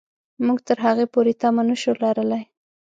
موږ تر هغې پورې تمه نه شو لرلای.